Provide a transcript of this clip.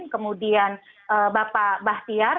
kemudian bapak bahtiar